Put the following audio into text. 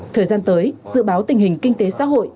thời gian tới dự báo tình hình kinh tế xã hội